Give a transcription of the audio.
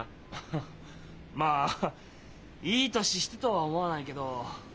ハハッまあ「いい年して」とは思わないけど。